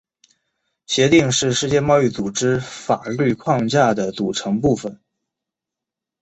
协定是世界贸易组织法律框架的组成部分。